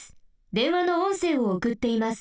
電話のおんせいをおくっています。